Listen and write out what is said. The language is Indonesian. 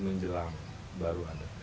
menjelang baru ada